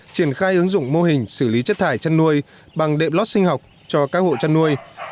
triển khai ứng dụng mô hình xử lý chất thải chăn nuôi bằng đệm lót sinh học cho các hộ chăn nuôi